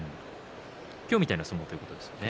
今日みたいな相撲ということですね。